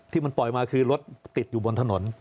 ที่มันปล่อยมาคือรถติดอยู่บนถนน